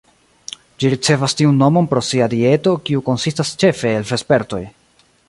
Ĝi ricevas tiun nomon pro sia dieto, kiu konsistas ĉefe el vespertoj.